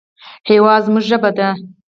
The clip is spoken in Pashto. هېواد زموږ ژبه ده